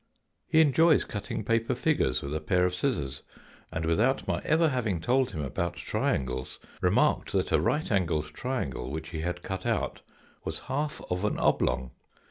" He enjoys cutting paper figures with a pair of scissors, and without my ever having told him about triangles remarked that a right angled triangle which he had cut out was half of an oblong.